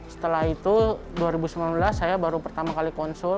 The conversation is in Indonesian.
setelah itu dua ribu sembilan belas saya baru pertama kali konsul